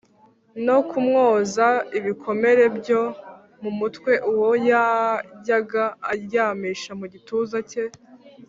no kumwoza ibikomere byo mu mutwe, uwo yajyaga aryamisha mu gituza cye